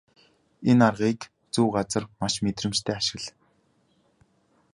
Энэ аргыг зөв газар маш мэдрэмжтэй ашигла.